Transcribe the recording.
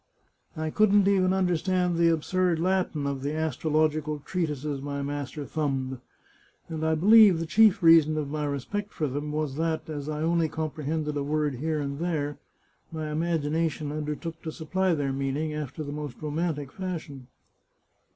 " I couldn't even understand the absurd Latin of the astro logical treatises my master thumbed; and I believe the chief reason of my respect for them was that, as I only comprehended a word here and there, my imagination un dertook to supply their meaning after the most romantic fashion."